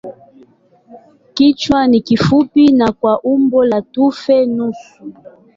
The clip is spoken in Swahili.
Kichwa ni kifupi na kwa umbo la tufe nusu.